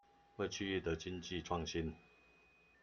為區域的經濟創新